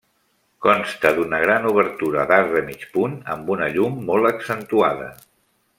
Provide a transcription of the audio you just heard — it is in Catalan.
Consta d’una gran obertura d’arc de mig punt amb una llum molt accentuada.